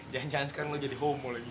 jangan jangan sekarang lo jadi homo lagi